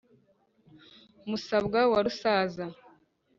Musabwa wa Rusaza